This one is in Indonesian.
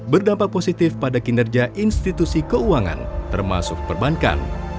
berdampak positif pada kinerja institusi keuangan termasuk perbankan